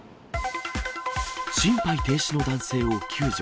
心肺停止の男性を救助。